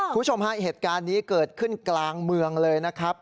คุณผู้ชมฮะเหตุการณ์นี้เกิดขึ้นกลางเมืองเลยนะครับ